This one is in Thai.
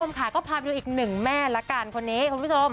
คุณผู้ชมค่ะก็พาไปดูอีกหนึ่งแม่ล่ะครับคนนี้